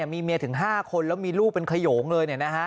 มีเมียถึง๕คนแล้วมีลูกเป็นขยงเลย